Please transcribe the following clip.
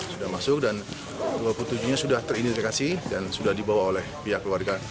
sudah masuk dan dua puluh tujuh nya sudah teridentifikasi dan sudah dibawa oleh pihak keluarga